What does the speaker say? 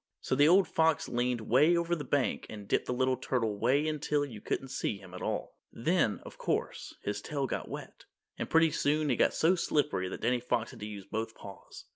So the old fox leaned 'way over the bank and dipped the little turtle 'way in till you couldn't see him at all. Then, of course, his tail got wet, and pretty soon it got so slippery that Danny Fox had to use both paws.